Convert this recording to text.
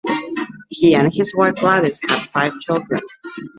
He and his wife Gladys had five children.